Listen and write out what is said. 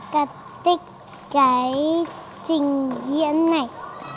con thích cái trình diễn này